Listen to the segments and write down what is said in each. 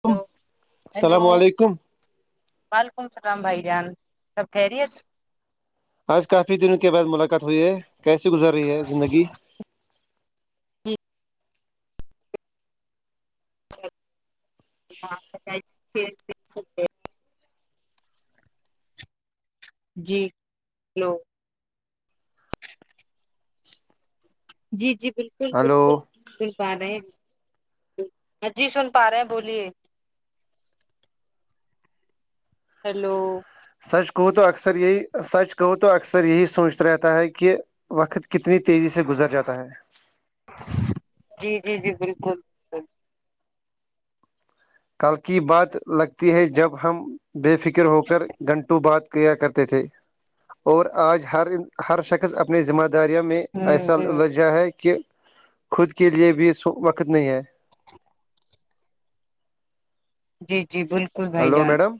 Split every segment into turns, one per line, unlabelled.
Hello hello
السلام علیکم
وعلیکم السلام بھائی جان سب کہہریی ہے
آج کافی دنوں کے بعد ملاقات ہوئی ہے کیسی گزر رہی ہے زندگی
[unintelligible] جی ہلو جی جی بالکل
ہلو
بالکل سن پا رہے ہیںاں جی سن پا رہے ہیں بولیے ہیلو
سچ کہ تو اکثر یہی سچ کہ تو اکثر یہی سوچتا رہتا ہے کہ وقت کتنی تیزی سے گزر جاتا ہے
جی جی جی بالکل
کل کی بات لگتی ہے جب ہم بے فکر ہو کر گھنٹوں بعد کیا کرتے تھے اور آج ہر ہر شخص اپنی ذمہ داریوں میں
ہوں
ایسا
ہوں
لجہ ہے کہ خود کے لئے بھی وقت نہیں ہے
جی جی بالکل بھائی
ہلو
جان
میڈم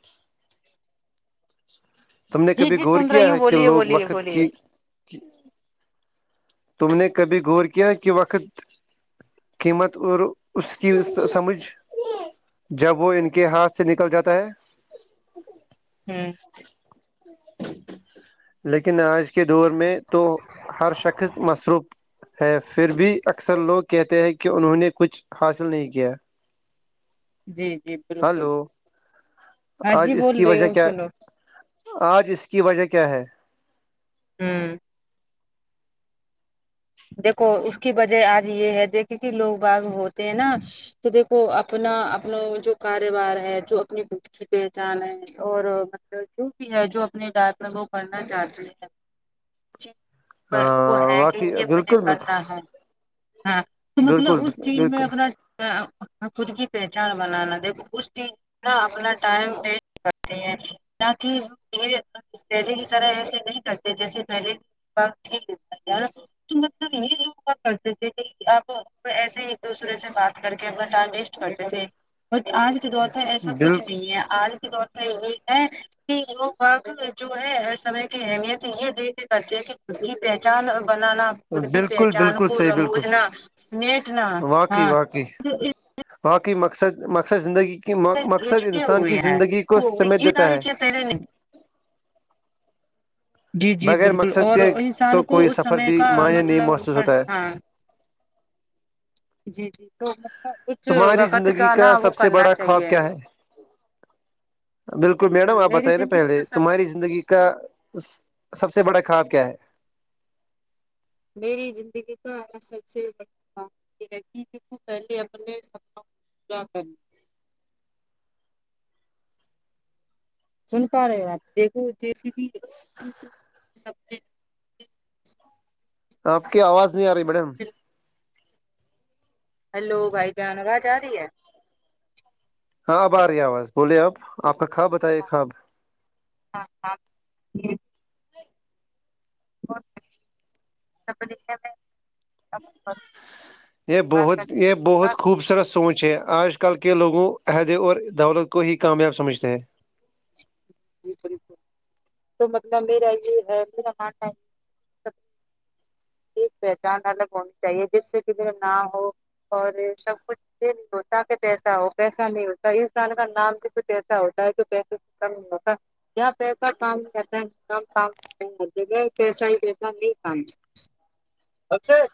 تم نے
جی
کبھی
جی
غور
سن رہی
کیا
ہوں
ہے کہ
بولیے
لوگ
بولیے
وقت
بولیے
کی تم نے کبھی غور کیا کہ وقت قیمت اور اس کی سمجھ جب وہ ان کے ہاتھ سے نکل جاتا ہے
ہوں
لیکن آج کے دور میں تو ہر شخص مصروف ہے پھر بھی اکثر لوگ کہتے ہیں کہ انہوں نے کچھ حاصل نہیں کیا
جی جی بالکل
ہلو
ہاں
آج
جی
اس
بول
کی
رہی
وجہ
ہو
کیا
سنو
آج اس کی وجہ کیا ہے
ہوں دیکھو اس کی وجہ آج یہ ہے دیکھے کہ لوگ باغ ہوتے ہیں نا تو دیکھو اپنا اپنا جو کاروبار ہے جو اپنی ب کی پہچان ہے اور مطلب جو بھی ہے جو اپنی لائپ میں وہ کرنا چاہتی ہے وہ
ہاں
ہے کہ
واقعی
یہ مجھے
بالکل
کرنا ہے ہاں تو
بالکل
مطلب اس چیز میں
بالکل بالکل
اپنا خود کی پہچان بنانا دیک اس چیز اپنا ٹائم ویسٹ کرتے ہیں تہ پہلے کی طرح ایسے نہیں کرتے جیسے پہلے وقتا مطلب یہ لوگ کرتے تھے آپ ایسے ہی ایک دوسرے سے بات کر کے اپنا ٹائم ویسٹ کرتے تھے بٹ آج کے دور پ ایسا کچھ
بالکل
نہیں ہے آج کے دور پ یہی ہے کہ لوگ وگ جو ہے سمے کی اہمیت یہ دیکھ کرتے ہیں کہ خود بھی پہچان بنانا خکی پہ
بالکل بالکل
چانپور
صحیح بالکل
اموجنا سمیٹنا ہاں
ہاںقی مقصد مقصد زندگی کی
میں
مقصد
جٹے
انسان کی زندگی کو سمیج دیتا ہے
سر نی جی جی
بغیر
بالکل
مقصد
اور
کے
انسان
تو
کو
کوئی
اس
سفر
سمے
بھی
کا
معنی نہیں محسوس
مطلبر
ہوتا ہے
ہاں [unintelligible] جی جی تو مطلب کچھ
تمہاری
وقت
زندگی
کا نا وہ
سب سے
کرنا
بڑا خواب
چاہیے
کیا ہے بالکل میڈم آپ
میری
بتیں نا
زندگی
پہے
کا سب
تمہاری زندگی کا سب سے بڑا خواب کیا ہے
میری زندگی کا سب سے بڑ یہ پہلے اپنے کیا کرنی سن پا رہے ہو آپ دیکھو جیسی بھیب سب [unintelligible]
آپ کی آواز نہیں آ رہی میڈم
ہلو بھائی جانو جا رہی ہے [unintelligible]
ہاں اب آ رہی ہے آواز بولے آپ آپ کا کھا بتائیے کواب [unintelligible]
ہاں ہاں ج [unintelligible] س میںوں [unintelligible]
یہ بہت یہ بہت خوبصورت سوچ ہے آج کل کے لوگوں عہدے اور دولت کو ہی کامیاب سمجھتے ہیں
جی بالکل تو مطلب میرا یہ ہے میرا ہاںٹ [unintelligible] پہچان الگ ہونی چاہیے جس سے کہھر نہ ہو اور سب کچھ [unintelligible] یہ نہیں ہوتااکہ پیسا ہو پیسا نہیں ہوتا انسان کا نام بھی تو پیسا ہوتا ہے تو پیسے کم ہوتا کیا پیسہ کام کرتےم کام جگہ پیسا ہی پیسا نہیں کام اکر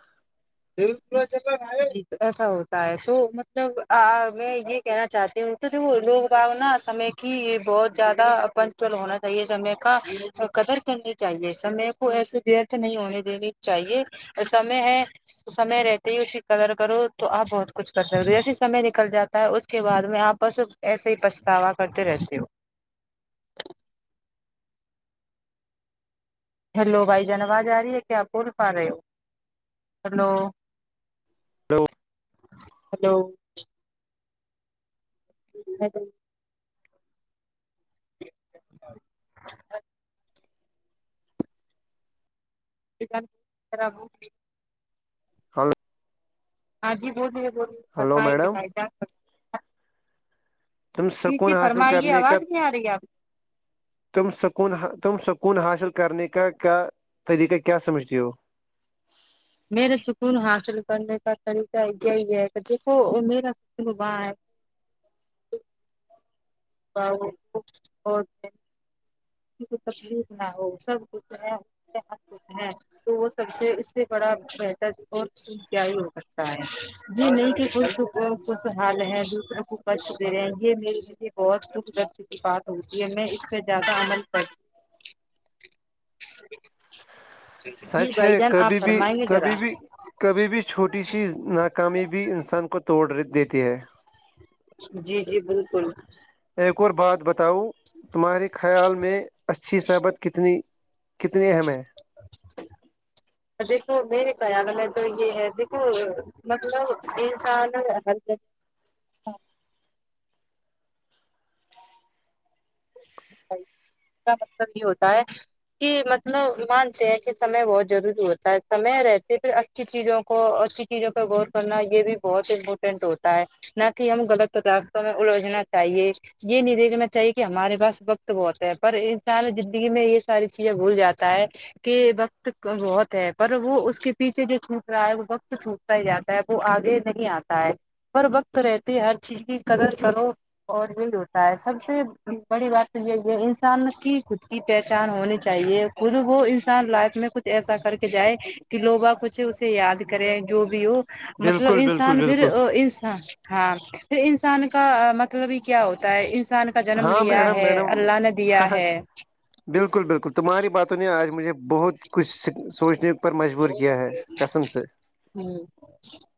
ایسا ہوتا ہے سو مطلب میں یہ کہنا چاہتی ہوں [unintelligible] لوگ باگ نا سمے کی بہت زیادہ [unintelligible] پنچل ہونا چاہیے سمے کا قدر کرنی چاہیے سمے کو ایسے بیرتھ نہیں ہونے دینے [unintelligible] چاہیے ایسا میں ہے سمے رہتے ہی اسی کلر کرو تو آپ بہت کچھ کر سکتے ہو جیسے سمے نکل جاتا ہے اس کے بعد میں آپ بس [unintelligible] ایسے ہی پچھتاوا کرتے رہتے ہو ہلو بائی جان آواز آ رہی ہے کیا آپ کوول پا رہے ہو [unintelligible] ہلو ہلو ہ [unintelligible] ج [unintelligible] چکن کر [unintelligible]
ہلو [unintelligible]
ہاں جی بولیے بولی بس
ہلو
ہی
میڈم
ہے بھ [unintelligible]
تم
جی جی
سکون حاصل
فرمائیے
کرنے
آواز
کا
نہیں آ رہی آپ
تم سکون تم سکون حاصل کرنے کا کیا طریقہ کیا سمجھتی ہو
میرے سکون حاصل کرنے کا طریقہ یہی ہے کہ دیکھو وہ میرا سک وہاں ہے [unintelligible] ب [unintelligible] سی کو تکلیف نہ ہو سب کچھ ہےت کھ ہے [unintelligible] تو وہ سب سے اس سے بڑا بہتر اور کیا ہو سکتا ہے ج نہیں کہ اور خوشحال ہے دوسروں کو کش دے رہے ہیں یہ میرے لی بہت سکھ درد کی بات ہوتی ہے میں اس پہ زیادہ عمل کرتی جی
سچ
بھائی
ہے
جان آپ
کبھی بھی
فرمائیں گے ذرا
کبھی بھی کبھی بھی چھوٹی سی ناکامی بھی انسان کو توڑ دیتی ہے
جی جی بالکل
ایک اور بات بتاؤ تمہارے خیال میں اچھی صبت کتنی [unintelligible] کتنے اہم ہیں
دیکھو میرے خیال میں تو یہ ہے دیکھو مطلب انسان اس کا مطلب یہ ہوتا ہے کہ مطلب مانتے ہیں کہ سمے بہت ضروری ہوتا ہے سمے رہتے پھر اچھی چیزوں کو اچھی چیزوں پہ غور کرنا یہ بھی بہت امپورٹینٹ ہوتا ہے نہ کہ ہم غلط تدافتوں میں الجھنا چاہیے یہ نہیں دیکھنا چاہیے کہ ہمارے پاس وقت تو بتے ہیں پر انسان زندگی میں یہ ساری چیزیں بھول جاتا ہے کہ وقت بہت ہے پر وہ اس کے پیچھے جو چھوٹ رہا ہے وہ وقت چوٹ جاتا ہے وہ آگے نہیں آتا ہے ہر وقت رہتی ہے ہر چیز کی قدر کرو اور یہی ہوتا ہے سب سے بڑی بات یہ یہ انسان کی خود کی پہچان ہونی چاہیے خود وہ انسان لائف میں کچھ ایسا کر کے جائے کہ لوبا کچھ اسے یاد کرے جو بھی ہو مطلب
بالکل بالکل
انسان پھر
بالکل
انسان ہاں پھر انسان کا مطلب ہی کیا ہوتا ہے انسان کا جنم
ہاں
لیا
میڈم
ہے
میڈم
اللہ نے دیا ہے
بالکل بالکل تمہاری باتوں نہیں آج مجھے بہت کچھ سوچنے پر مجبور کیا ہے قسم سے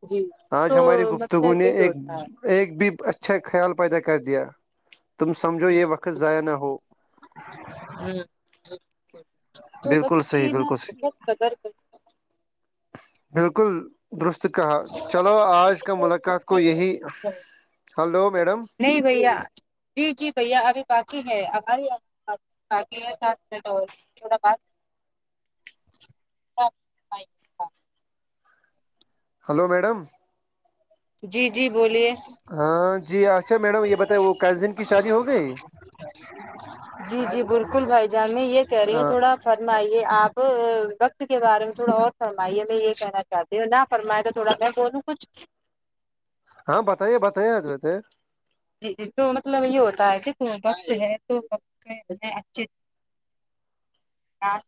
جی تو
آج ہماری
مطلب
گفتگو نے
یہی
ایک
ہوتا ہے
ایک بھی اچھا خیال پیدا کر دیا تم سمجھو یہ وقت ضائع نہ ہو بالکل صحیح بالکل صحیح
[inaudible]
بالکل درست کہا
کرنی
چلو آج کا ملاقات کو یہی ہلو میڈم
نہیں بھیا جی جی بھیا ابھی باقی ہے ہمارے یہاں باقی ہے سات مٹ اور کرنا۔
ہلو میڈم
جی جی بولیے
ہاں جی اچھا میڈم یہ بتیں وہ قزین کی شادی ہو گئی
[inaudible] جی جی بالکل بھائی جان میں یہ کہہ رہی ہوں
ہاں
تھوڑا فرمائیے آپ وقت کے بارے میں تھوڑا اور فرمائیے میں یہ کہنا چاہتا ہوں نا پر میں تو تھوڑا میں بولوں کچھ
ہاں بتائیے بتائیے
جی تو مطلب یہ ہوتا ہے کہ وقت ہے تو وقت ان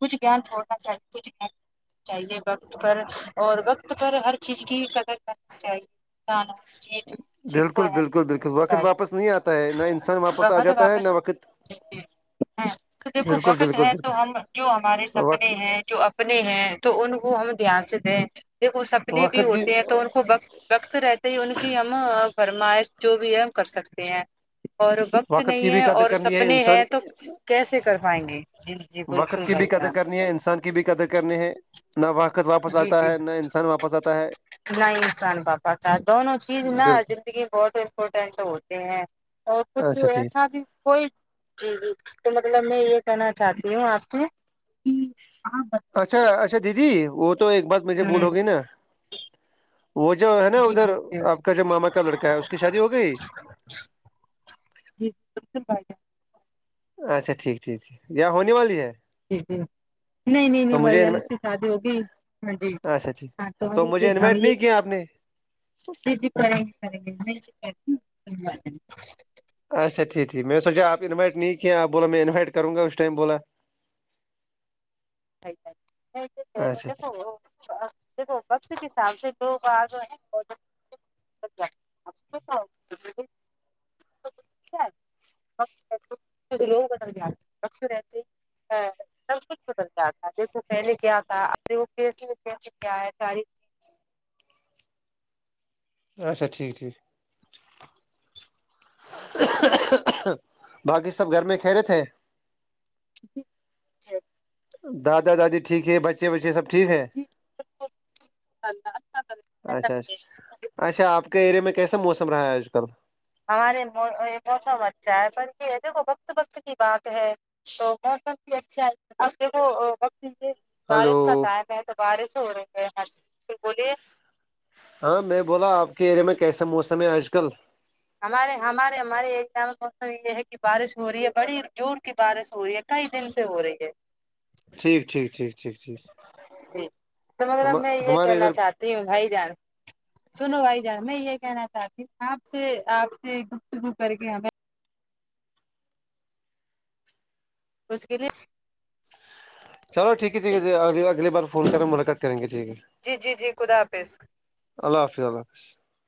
کچھ گان تھوڑا سے کچھان چاہیے وقت پر اور وقت پر ہر چیز کی قدر کرنی چاہیے انسان جی جی
بالکل بالکل بالکل وقت واپس نہیں آتا ہے نہ انسان واپس آ جاتا ہے نہ وقت
ہاں تو دیکھو
بالکل
وقت
بالکل
ہے تو
بالکل
ہم جو ہمارے سپنے
وقت
ہیں جو اپنے ہیں تو ان کو ہم دھیان سے دیں دیک وہ سپنے بھی
وقت کی
ہوتے ہیں تو ان کو بت وقت رہتے ہی ان کی ہم فرمائش جو بھی ہے ہم کر سکتے ہیں اور وقت نہیں
کی بھی
ہے
قدر
اور
کرنی ہے
سپنے
انسان
ہیں تو کیسے کر پائیں گے جی جی
وقت
بالکل
کی
بھائی
بھی قدر
جان
کرنی ہے انسان کی بھی قدر کرنی ہے نہ وقت واپس آتا ہے نہ انسان واپس آتا تا ہے
نہیںسان پاپا کا دونوں چیز
بالکل
بہت امپورٹینٹ ہوتے ہیں اور کچھ
اچھا ٹھیک
ایسا بھی کوئی جی جی تو مطلب میں یہ کہنا چاہتی ہوں آپ کو جی آپ
اچھا اچھا دیدی وہ تو ایک بات مجھے
ہ
بولوگی نا وہ جو ہے نا
جی
ادھر
جی جی
آپ کا جو ماما کا لڑکا ہے اس کی شادی ہو گئی
جی بالکل بھائی
اچھا ٹھیک ٹھیک یا ہونے والی ہے
جی نہیں نہیں نہیں
تو
بھائی
مجھے
جار اس
انوی-
کی شادی ہوگی ہاں جی
اچھا ٹھیک
ہاں تو
مجھے انوائٹ نہیں کیا آپ نے
کریں [inaudible]
اچھا ٹھیک ٹھیک میں سوچ آپ انوائٹ نہیں کیے آ بولا میں انوائٹ کروں گا اس ٹائم بولا اچھا
نہیںسا وہ دیکھو پک کے حساب سے لوگ آگئے ہیں [inaudible] وگق رہتے سب کچھ بدلتاات تھا دیکھو پہلے کیا تھا [inaudible] کیا ہے تاریخ
اچھا ٹھیک ٹھیک باقی سب گھر میں کہرے تھے
[inaudible]
دادا دادی ٹھیک ہے بچے بچے سب ٹھیک ہے اچھا اچھا اچھا آپ کے اریے میں کیسا موسم رہا ہے آج کل
ہمارے موسم اچھا ہے پر یہ دیکھو وقت وقت کی بات ہے تو موسم بھی اچھا ہے دیکھو وجے
ہلو
بارش کا ٹائم ہے تو بارش ہو رہی ہے ہر بولیے
ہاں میں بولا آپ کے ایرے میں کیسا موسم ہے آج کل
ہمارے ہمارے ہمارے ایریا میں موسم یہ ہے کہ بارش ہو رہی ہے بڑی جور کی بارش ہو رہی ہے کہی دن سے ہو رہی ہے
ٹھیک ٹھیک ٹھیک ٹھیک ٹیک
جی تو مطلب میں یہ
ہمارے
کہنا
ادھر
چاہتی ہوں بھائی جان سنو بھائی جان میں یہ کہنا چاہتی ہوں آپ سے آپ سے گفتگ کر کے ہمیں کس کے لیے
چلو ٹھیک ہے ٹھیک ہے اگلی بار فون کریں ملاقات کریں گے ٹھیک ہے
جی جی جی خدا حافظ
اللہ حافظ اللہ حافظ